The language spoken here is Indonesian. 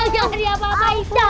jangan riap pak icao